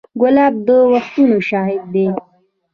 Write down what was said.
ګلاب د وختونو شاهد دی.